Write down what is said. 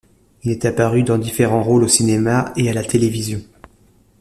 Il est apparu dans différents rôles au cinéma et à la télévision.